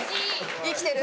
生きてる？